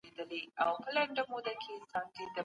پر حکومتي کړنو سالمه او رغنده نيوکه وکړئ.